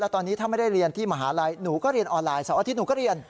ตอนนี้ถ้าไม่ได้เรียนที่มหาลัยหนูก็เรียนออนไลน์เสาร์อาทิตย์หนูก็เรียน